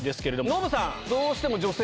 ノブさん。